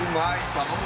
頼む！